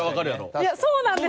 いやそうなんです。